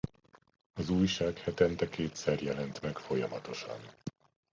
Az újság hetente kétszer jelent meg folyamatosan.